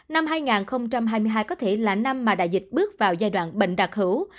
năm hai nghìn hai mươi hai có thể là năm mà đại dịch bước vào giai đoạn bệnh đặc hữu